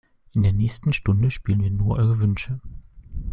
In der nächsten Stunde spielen wir nur eure Wünsche.